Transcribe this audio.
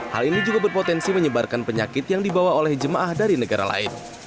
hal ini juga berpotensi menyebarkan penyakit yang dibawa oleh jemaah dari negara lain